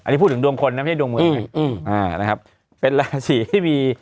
นี่พูดถึงดวงคนนะไม่ใช่ดวงเมืองนะครับเป็นราศีที่มี